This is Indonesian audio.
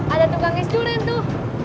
ada tukang iscuren tuh